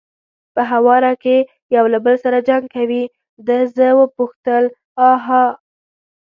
په هواره کې یو له بل سره جنګ کوي، ده زه وپوښتل: آ ښه.